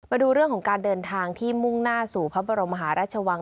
มาดูเรื่องของการเดินทางที่มุ่งหน้าสู่พระบรมหาราชวัง